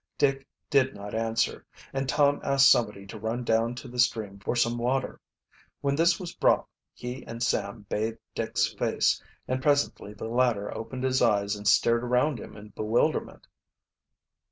Dick did not answer, and Tom asked somebody to run down to the stream for some water. When this was brought he and Sam bathed Dick's face, and presently the latter opened his eyes and stared around him in bewilderment.